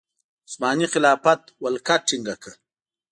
عثماني خلافت ولکه ټینګه کړي.